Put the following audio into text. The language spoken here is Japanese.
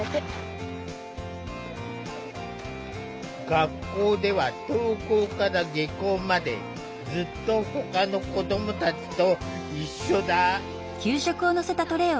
学校では登校から下校までずっとほかの子どもたちと一緒だ。